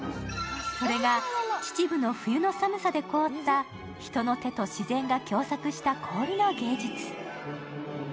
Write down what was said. それが秩父の冬の寒さで凍った人の手と自然が共作した氷の芸術。